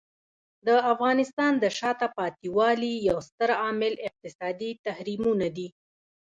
د افغانستان د شاته پاتې والي یو ستر عامل اقتصادي تحریمونه دي.